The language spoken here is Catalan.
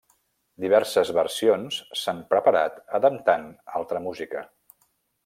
Diverses versions s'han preparat adaptant altra música.